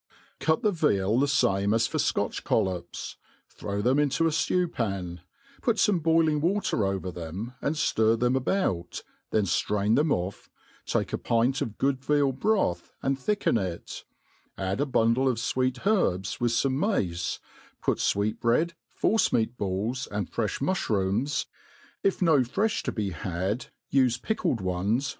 CUT the veal the fame as for Scotch coHops ; throw then into a ftew pan ; put fome boiling water over them, and ftir them about, then drain them ofF; take a pint of good veal broth, and thicken it; add a bundle of fwcet herbs, with fbroe mace; put fweet^bread, force meat balls, and freih niuihrooms; if no frelh to be had, ufe pickled ones.